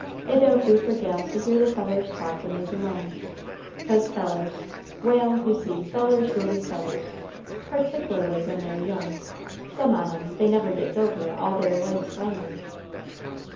It don't do for gals to hear the fellers talk when they's alone, 'cause fellers, wal', you see, fellers will be fellers, partic'larly when they're young. Some on 'em, they never gits over it all their lives finally."